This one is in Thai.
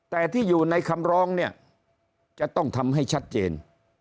แต่ที่อยู่ในคำร้องเนี่ยจะต้องทำให้ชัดเจน